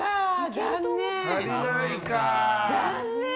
残念。